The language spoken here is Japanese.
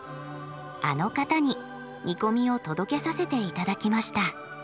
あの方に煮込みを届けさせて頂きました。